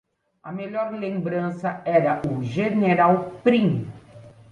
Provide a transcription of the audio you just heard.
A melhor lembrança era o General Prim.